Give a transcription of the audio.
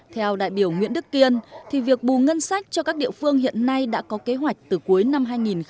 theo đại biểu nguyễn đức kiên thì việc bù ngân sách cho các địa phương hiện nay đã có kế hoạch từ cuối năm hai nghìn hai mươi